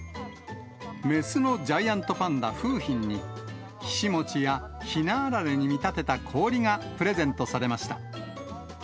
雌のジャイアントパンダ、楓浜に、ひしもちやひなあられに見立てた氷がプレゼントされました。